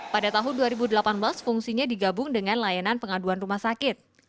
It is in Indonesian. pada tahun dua ribu delapan belas fungsinya digabung dengan layanan pengaduan rumah sakit